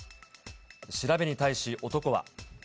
調べに対し、男は。